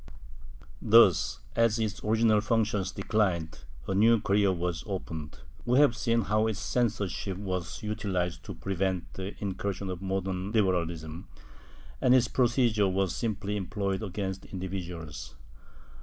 ^ Thus, as its original functions declined, a new career was opened. We have seen how its censorship was utilized to prevent the in cursion of modern liberalism, and its procedure was similarly employed against individuals.